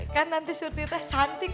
kan nanti surti teh cantik banget